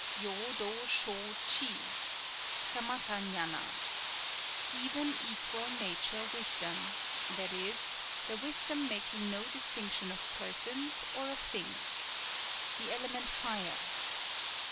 Byō dō shō chi (Samatâ gñâna), "Even equal nature wisdom," that is, the wisdom making no distinction of persons or of things. The element Fire.